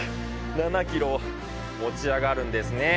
７キロ持ち上がるんですね。